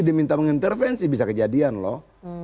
diminta mengintervensi bisa kejadian loh